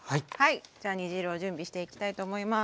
じゃあ煮汁を準備していきたいと思います。